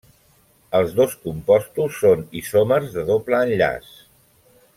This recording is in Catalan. Els dos compostos són isòmers de doble enllaç.